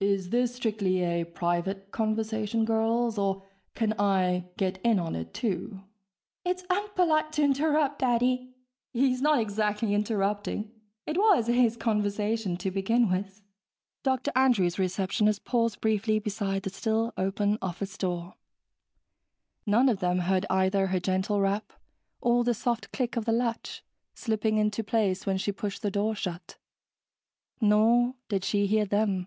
(Is this strictly a private conversation, girls, or can I get in on it, too?) (It's unpolite to interrupt, Daddy.) (He's not exactly interrupting it was his conversation to begin with!) Dr. Andrews' receptionist paused briefly beside the still open office door. None of them heard either her gentle rap or the soft click of the latch slipping into place when she pushed the door shut. Nor did she hear them.